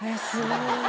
すごい。